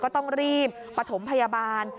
ก็ต้องรีบประถมพยาบาล